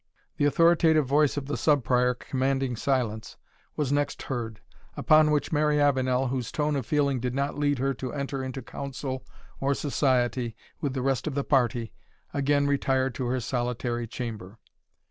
The authoritative voice of the Sub Prior commanding silence was next heard; upon which Mary Avenel, whose tone of feeling did not lead her to enter into counsel or society with the rest of the party, again retired to her solitary chamber.